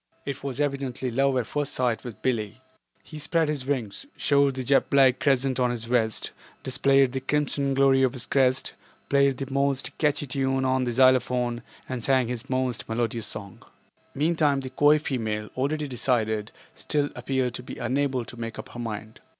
It was evidently love at first sight with Billie. He spread his wings, showed the jet black crescent on his vest, displayed the crimson glory of his crest, played his most catchy tune on the xylophone and sang his most melodious song. Meantime the coy female, already decided, still appeared to be unable to make up her mind.